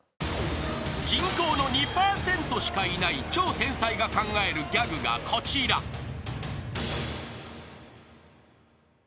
［人口の２％しかいない超天才が考えるギャグがこちら］へへ。